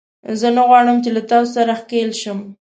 زه نه غواړم چې له تاسو سره ښکېل شم